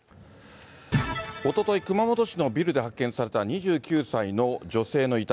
おととい、熊本市のビルで発見された２９歳の女性の遺体。